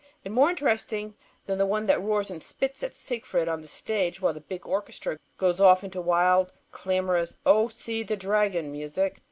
And more interesting than the one that roars and spits at Siegfried on the stage while the big orchestra goes off into wild clamors of O see the dragon music.